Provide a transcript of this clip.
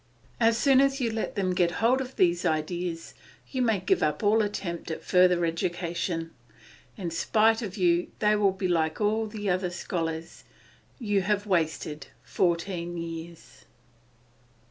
As soon as you let them get hold of these ideas, you may give up all attempt at further education; in spite of you they will be like all the other scholars you have wasted fourteen years.